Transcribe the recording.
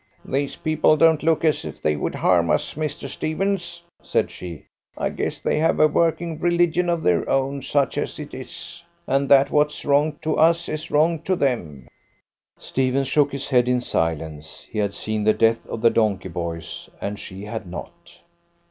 "These people don't look as if they would harm us, Mr. Stephens," said she. "I guess they have a working religion of their own, such as it is, and that what's wrong to us is wrong to them." Stephens shook his head in silence. He had seen the death of the donkey boys, and she had not.